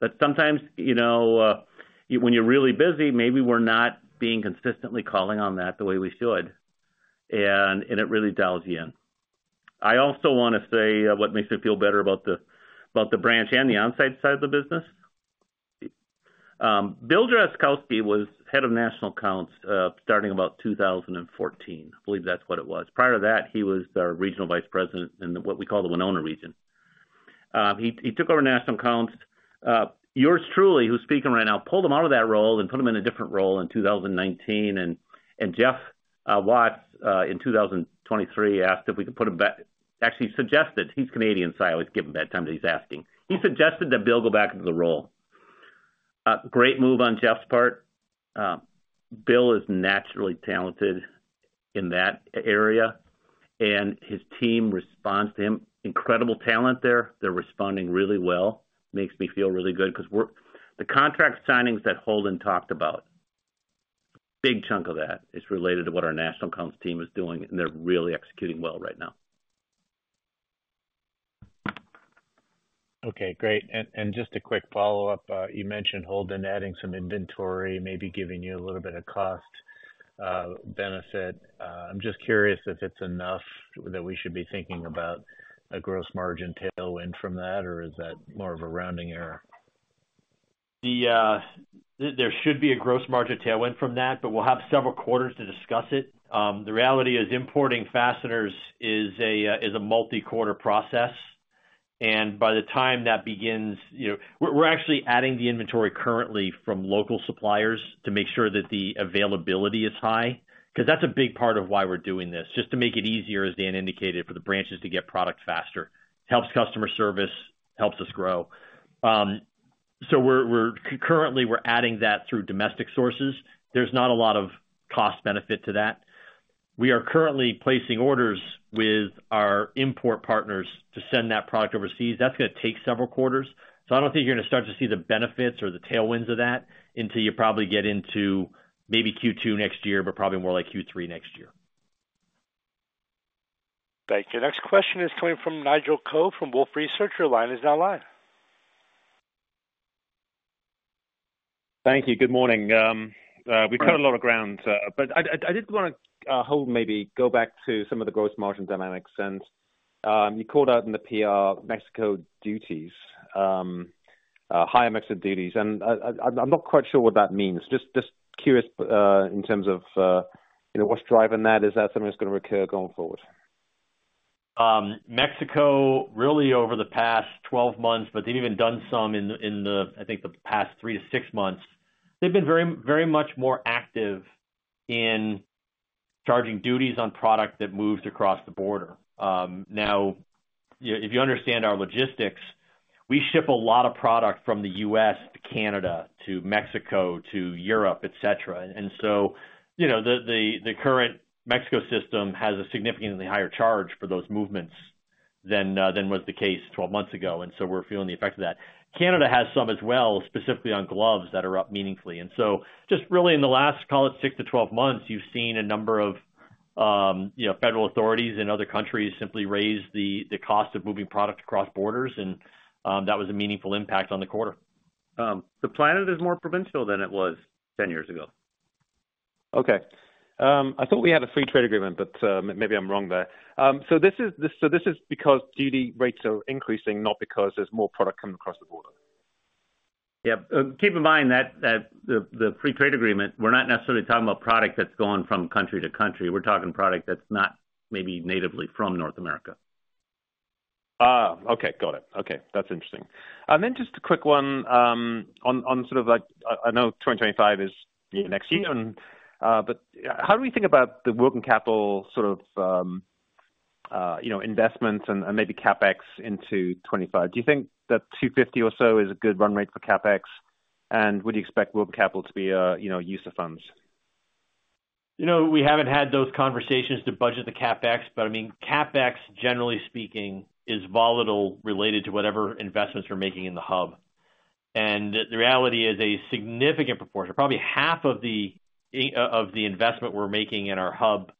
But sometimes, you know, when you're really busy, maybe we're not being consistently calling on that the way we should, and it really dials you in. I also want to say what makes me feel better about the branch and the Onsite side of the business. Bill Drazkowski was head of National Accounts starting about 2014. I believe that's what it was. Prior to that, he was our regional vice president in what we call the Winona Region. He took over National Accounts. Yours truly, who's speaking right now, pulled him out of that role and put him in a different role in 2019. And Jeff Watts in 2023 asked if we could put him back. Actually, he suggested, he's Canadian, so I always give him a bad time that he's asking. He suggested that Bill go back into the role. Great move on Jeff's part. Bill is naturally talented in that area, and his team responds to him. Incredible talent there. They're responding really well. Makes me feel really good because we're... The contract signings that Holden talked about, big chunk of that is related to what our National Accounts team is doing, and they're really executing well right now. Okay, great. And just a quick follow-up. You mentioned, Holden, adding some inventory, maybe giving you a little bit of cost benefit. I'm just curious if it's enough that we should be thinking about a gross margin tailwind from that, or is that more of a rounding error? There should be a gross margin tailwind from that, but we'll have several quarters to discuss it. The reality is importing fasteners is a multi-quarter process, and by the time that begins, you know... We're actually adding the inventory currently from local suppliers to make sure that the availability is high, because that's a big part of why we're doing this, just to make it easier, as Dan indicated, for the branches to get product faster. Helps customer service, helps us grow. So we're concurrently adding that through domestic sources. There's not a lot of cost benefit to that. We are currently placing orders with our import partners to send that product overseas. That's gonna take several quarters, so I don't think you're gonna start to see the benefits or the tailwinds of that until you probably get into maybe Q2 next year, but probably more like Q3 next year. Thank you. Next question is coming from Nigel Coe from Wolfe Research. Your line is now live. Thank you. Good morning. We've covered a lot of ground, but I did want to maybe go back to some of the gross margin dynamics. You called out in the PR Mexico duties, higher mix of duties, and I'm not quite sure what that means. Just curious, in terms of, you know, what's driving that? Is that something that's gonna recur going forward? Mexico, really over the past 12 months, but they've even done some in the past three months to six months. They've been very much more active in charging duties on product that moves across the border. Now, yeah, if you understand our logistics, we ship a lot of product from the U.S. to Canada, to Mexico, to Europe, et cetera. And so, you know, the current Mexico system has a significantly higher charge for those movements than was the case 12 months ago, and so we're feeling the effect of that. Canada has some as well, specifically on gloves that are up meaningfully. And so just really in the last, call it six to 12 months, you've seen a number of, you know, federal authorities in other countries simply raise the cost of moving product across borders, and that was a meaningful impact on the quarter. The planet is more provincial than it was 10 years ago. Okay. I thought we had a free trade agreement, but maybe I'm wrong there. So this is because duty rates are increasing, not because there's more product coming across the border? Yeah. Keep in mind that the free trade agreement, we're not necessarily talking about product that's going from country to country. We're talking product that's not maybe natively from North America. Ah, okay. Got it. Okay, that's interesting. And then just a quick one on sort of like I know 2025 is next year, and but how do we think about the working capital sort of you know investments and maybe CapEx into 2025? Do you think that 250 or so is a good run rate for CapEx? And would you expect working capital to be you know use of funds? You know, we haven't had those conversations to budget the CapEx, but I mean, CapEx, generally speaking, is volatile related to whatever investments we're making in the hub. The reality is a significant proportion, probably half of the investment we're making in our hub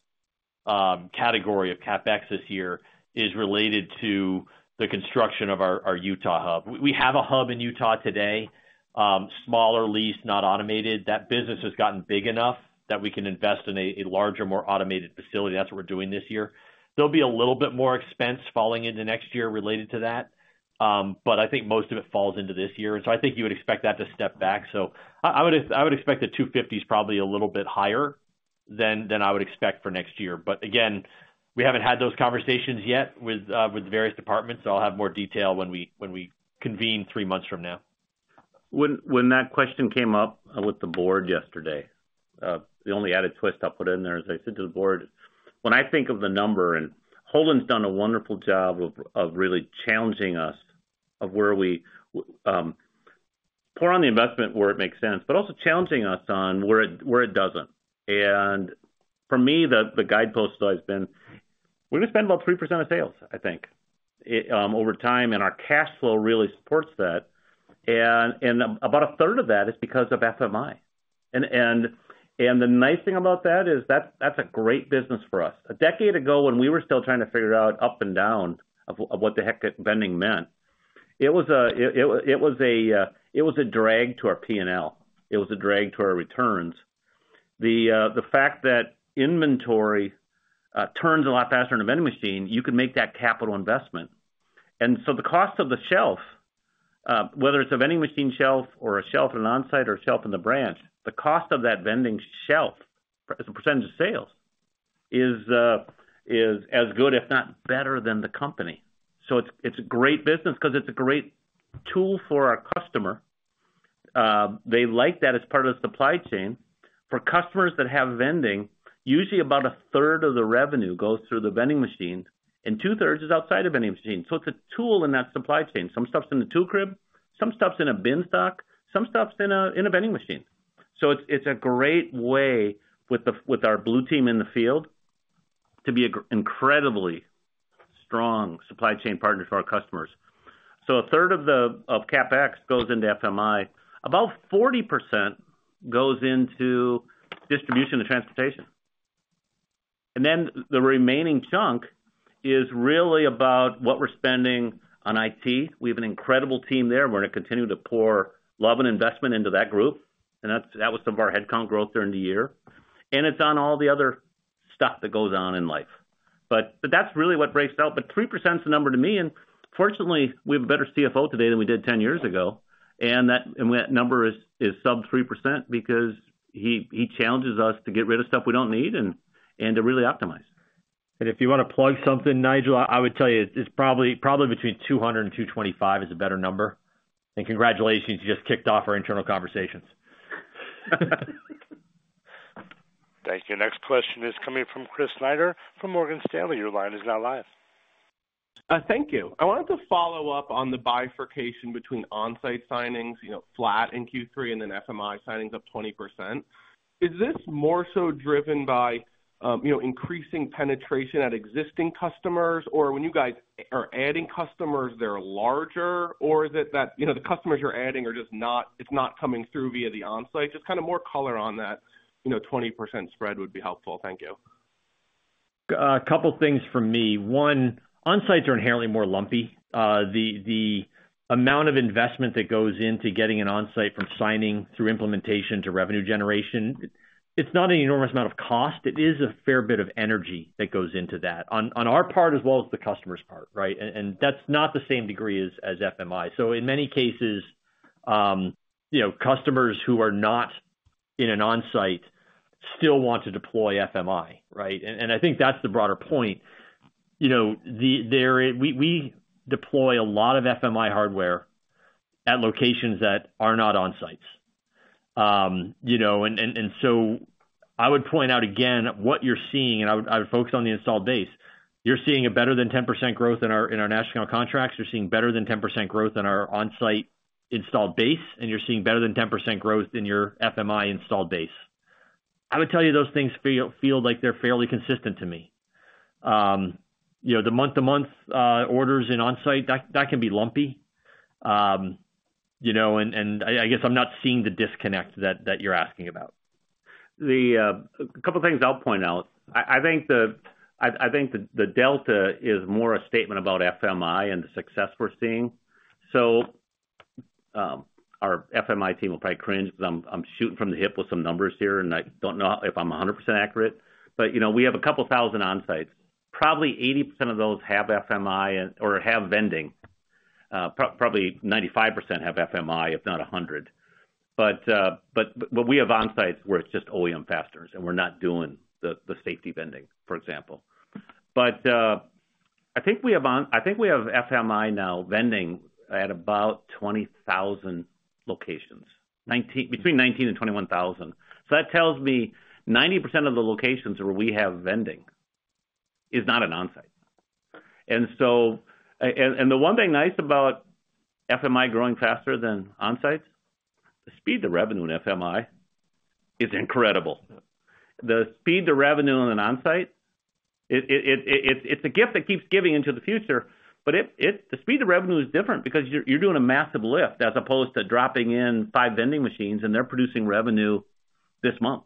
category of CapEx this year is related to the construction of our Utah hub. We have a hub in Utah today, smaller lease, not automated. That business has gotten big enough that we can invest in a larger, more automated facility. That's what we're doing this year. There'll be a little bit more expense falling into next year related to that, but I think most of it falls into this year. So I think you would expect that to step back. I would expect the 250 is probably a little bit higher than I would expect for next year, but again, we haven't had those conversations yet with the various departments, so I'll have more detail when we convene three months from now. When that question came up with the board yesterday, the only added twist I'll put in there is I said to the board: When I think of the number, and Holden's done a wonderful job of really challenging us of where we pour on the investment where it makes sense, but also challenging us on where it doesn't. And for me, the guidepost has always been, we're gonna spend about 3% of sales, I think, over time, and our cash flow really supports that. And the nice thing about that is that's a great business for us. A decade ago, when we were still trying to figure out up and down of what the heck vending meant, it was a drag to our P&L. It was a drag to our returns. The fact that inventory turns a lot faster in a vending machine, you can make that capital investment. And so the cost of the shelf, whether it's a vending machine shelf or a shelf in an onsite or a shelf in the branch, the cost of that vending shelf, as a percentage of sales, is as good, if not better than the company. So it's a great business 'cause it's a great tool for our customer. They like that as part of the supply chain. For customers that have vending, usually about a third of the revenue goes through the vending machine, and two-thirds is outside of vending machine. So it's a tool in that supply chain. Some stuff's in the tool crib, some stuff's in a bin stock, some stuff's in a vending machine. So it's, it's a great way with our Blue Team in the field, to be an incredibly strong supply chain partner to our customers. So a third of CapEx goes into FMI. About 40% goes into distribution and transportation. And then the remaining chunk is really about what we're spending on IT. We have an incredible team there, and we're gonna continue to pour love and investment into that group, and that was some of our headcount growth during the year. It's on all the other stuff that goes on in life. But that's really what breaks out. But 3%'s the number to me, and fortunately, we have a better CFO today than we did ten years ago, and that number is sub 3% because he challenges us to get rid of stuff we don't need and to really optimize. If you want to plug something, Nigel, I would tell you it's probably, probably between 225 is a better number. And congratulations, you just kicked off our internal conversations. Thank you. Next question is coming from Chris Snyder from Morgan Stanley. Your line is now live. Thank you. I wanted to follow up on the bifurcation between Onsite signings, you know, flat in Q3, and then FMI signings up 20%. Is this more so driven by, you know, increasing penetration at existing customers? Or when you guys are adding customers, they're larger? Or is it that, you know, the customers you're adding are just not-- it's not coming through via the Onsite? Just kind of more color on that, you know, 20% spread would be helpful. Thank you. A couple things from me. One, Onsites are inherently more lumpy. The amount of investment that goes into getting an Onsite from signing through implementation to revenue generation, it's not an enormous amount of cost. It is a fair bit of energy that goes into that, on our part as well as the customer's part, right? And that's not the same degree as FMI. So in many cases, you know, customers who are not in an Onsite still want to deploy FMI, right? And I think that's the broader point. You know, there we deploy a lot of FMI hardware at locations that are not Onsites. You know, and so I would point out again, what you're seeing, and I would focus on the installed base. You're seeing a better than 10% growth in our national contracts. You're seeing better than 10% growth in our Onsite installed base, and you're seeing better than 10% growth in your FMI installed base. I would tell you those things feel like they're fairly consistent to me. You know, the month-to-month orders in Onsite, that can be lumpy. You know, and I guess I'm not seeing the disconnect that you're asking about. A couple of things I'll point out. I think the delta is more a statement about FMI and the success we're seeing. So, our FMI team will probably cringe, but I'm shooting from the hip with some numbers here, and I don't know if I'm 100% accurate. But, you know, we have a couple thousand onsites. Probably 80% of those have FMI or have vending. Probably 95% have FMI, if not 100%. But we have onsites where it's just OEM fasteners, and we're not doing the safety vending, for example. But I think we have FMI now vending at about 20,000 locations, between 19,000 and 21,000. So that tells me 90% of the locations where we have vending is not an Onsite. And so, and the one thing nice about FMI growing faster than Onsites, the speed to revenue in FMI is incredible. The speed to revenue in an Onsite, it's a gift that keeps giving into the future, but it. The speed to revenue is different because you're doing a massive lift as opposed to dropping in five vending machines, and they're producing revenue this month,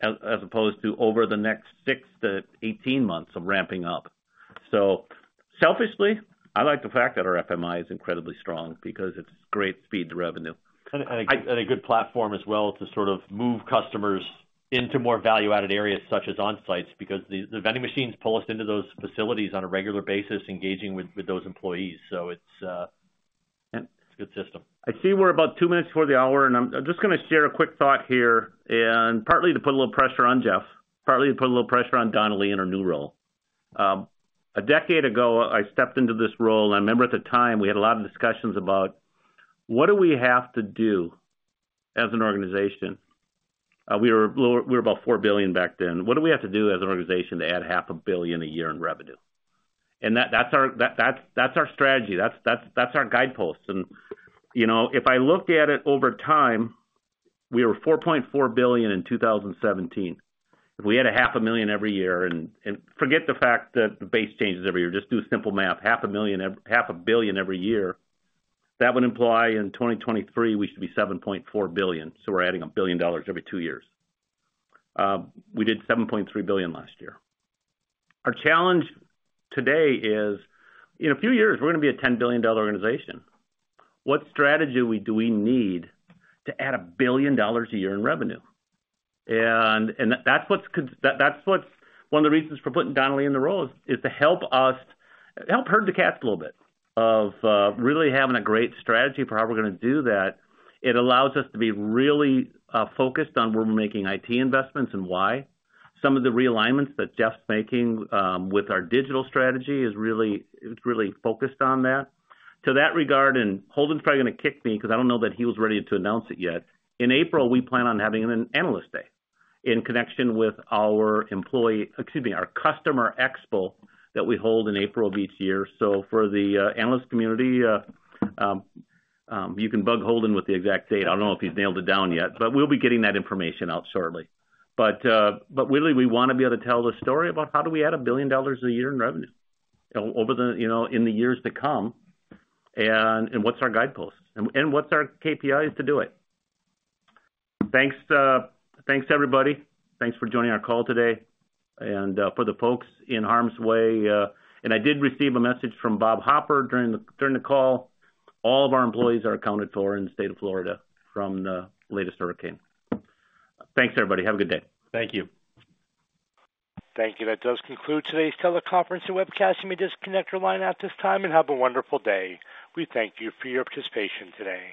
as opposed to over the next six to 18 months of ramping up. So selfishly, I like the fact that our FMI is incredibly strong because it's great speed to revenue. A good platform as well to sort of move customers into more value-added areas such as Onsites, because the vending machines pull us into those facilities on a regular basis, engaging with those employees. So it's a good system. I see we're about two minutes before the hour, and I'm just gonna share a quick thought here, and partly to put a little pressure on Jeff, partly to put a little pressure on Donnalee in her new role. A decade ago, I stepped into this role, and I remember at the time, we had a lot of discussions about what do we have to do as an organization? We were about $4 billion back then. What do we have to do as an organization to add $500 million a year in revenue? And that's our strategy. That's our guidepost. And, you know, if I look at it over time, we were $4.4 billion in 2017. If we had $500,000 every year, and forget the fact that the base changes every year, just do simple math, $500,000, $500 million every year. That would imply in 2023, we should be $7.4 billion, so we're adding $1 billion every two years. We did $7.3 billion last year. Our challenge today is, in a few years, we're gonna be a $10 billion organization. What strategy do we need to add $1 billion a year in revenue? And that's what's one of the reasons for putting Donnalee in the role is to help us help herd the cats a little bit of really having a great strategy for how we're gonna do that. It allows us to be really focused on where we're making IT investments and why. Some of the realignments that Jeff's making with our digital strategy is really, it's really focused on that. To that regard, and Holden's probably gonna kick me because I don't know that he was ready to announce it yet. In April, we plan on having an analyst day in connection with our employee, excuse me, our customer expo that we hold in April of each year. So for the analyst community, you can bug Holden with the exact date. I don't know if he's nailed it down yet, but we'll be getting that information out shortly. Really, we wanna be able to tell the story about how do we add $1 billion a year in revenue over the, you know, in the years to come, and what's our guideposts? What's our KPIs to do it? Thanks, everybody. Thanks for joining our call today, and for the folks in harm's way. I did receive a message from Bob Hopper during the call. All of our employees are accounted for in the state of Florida from the latest hurricane. Thanks, everybody. Have a good day. Thank you. Thank you. That does conclude today's teleconference and webcast. You may disconnect your line at this time and have a wonderful day. We thank you for your participation today.